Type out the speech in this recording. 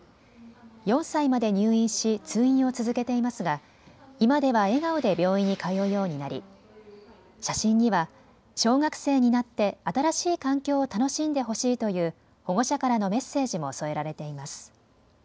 ４歳まで入院し通院を続けていますが今では笑顔で病院に通うようになり写真には小学生になって新しい環境を楽しんでほしいという保護者からのメッセージも添えられています。